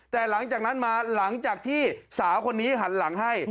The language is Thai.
แต่หลังจากนั้นมาหลังจากที่สาวคนนี้หันหลังให้